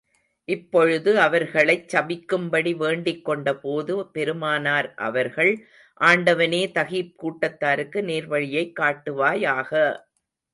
இப்பொழுது அவர்களைச் சபிக்கும்படி வேண்டிக் கொண்ட போது, பெருமானார் அவர்கள், ஆண்டவனே, தகீப் கூட்டத்தாருக்கு நேர்வழியைக் காட்டுவாயாக!